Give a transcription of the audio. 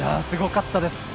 すごかったです。